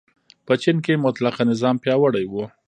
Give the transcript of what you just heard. په چین کې مطلقه نظام پیاوړی و.